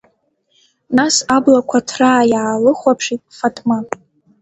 Нас аблақәа ҭраа иаалыхәаԥшит Фатма.